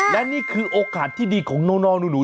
และนี่คือโอกาสที่ดีของน้องหนู